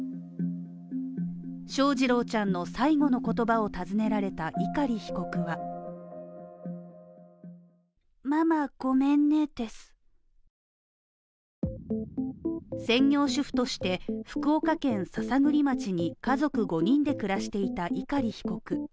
翔士郎ちゃんの最後の言葉を尋ねられた碇被告は専業主婦として福岡県篠栗町に家族５人で暮らしていた、碇被告。